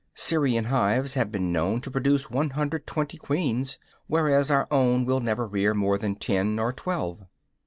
Syrian hives have been known to produce 120 queens, whereas our own will never rear more than ten or twelve.